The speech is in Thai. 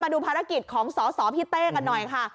ดูภารกิจของสสพี่เต้กันหน่อยค่ะ